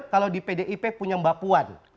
kalau di pdip punya mbak puan